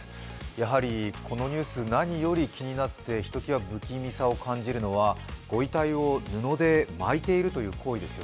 やはりこのニュース、何より気になって、ひときわ不気味さを感じるのは、ご遺体を布で巻いているという行為です。